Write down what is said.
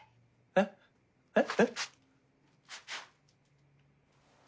えっえっ？